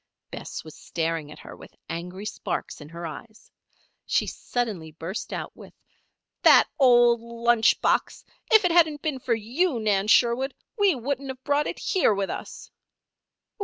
Bess was staring at her with angry sparks in her eyes. She suddenly burst out with: "That old lunch box! If it hadn't been for you, Nan Sherwood, we would not have brought it here with us."